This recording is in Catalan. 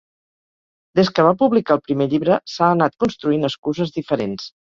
Des que va publicar el primer llibre s'ha anat construint excuses diferents.